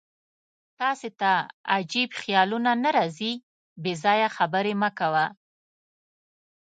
تاسې ته عجیب خیالونه نه راځي؟ بېځایه خبرې مه کوه.